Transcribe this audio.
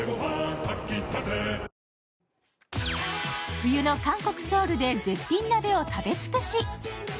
冬の韓国ソウルで絶品鍋を食べ尽くし。